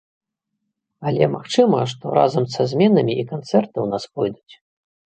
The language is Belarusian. Але, магчыма, што разам са зменамі і канцэрты ў нас пойдуць.